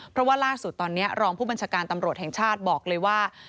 เพราะว่าล่าสุดตอนนี้รองผู้บัญชาการตำรวจแห่งชาติบอกเลยว่า